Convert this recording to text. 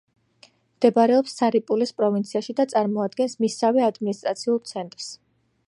მდებარეობს სარიპულის პროვინციაში და წარმოადგენს მისსავე ადმინისტრაციულ ცენტრს.